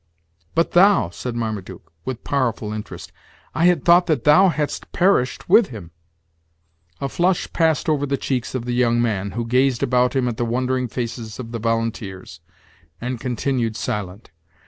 "But thou!" said Marmaduke, with powerful interest; "I had thought that thou hadst perished with him." A flush passed over the cheeks of the young man, who gazed about him at the wondering faces of the volunteers, and continued silent.